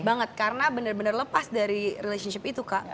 banget karena bener bener lepas dari relationship itu kak